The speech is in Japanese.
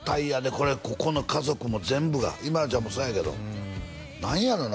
これここの家族も全部がＩＭＡＬＵちゃんもそうやけど何やろな？